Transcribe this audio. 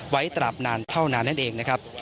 ตราบนานเท่านานนั่นเองนะครับ